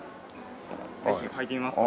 ぜひ履いてみますか？